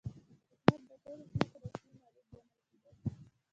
حکومت د ټولو ځمکو رسمي مالک ګڼل کېده.